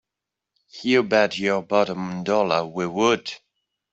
You bet your bottom dollar we would!